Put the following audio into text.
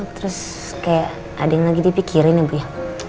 terus kayak ada yang lagi dipikirin ya bu ya